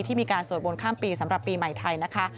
มีการสวดบนข้ามปีสำหรับปีใหม่ไทยนะคะ